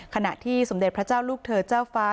ขณะที่สมเด็จพระเจ้าลูกเธอเจ้าฟ้า